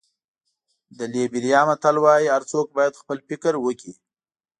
د لېبریا متل وایي هر څوک باید خپل فکر وکړي.